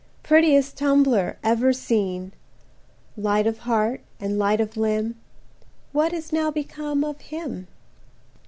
Prettiest Tumbler ever seen! Light of heart and light of limb; What is now become of Him?